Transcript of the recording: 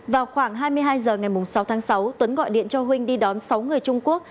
vào khoảng hai mươi hai h ngày sáu tháng sáu tuấn gọi điện cho huỳnh đi đón sáu người trung quốc